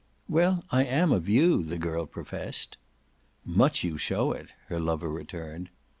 "Well, I am of you," the girl professed. "Much you show it!" her lover returned.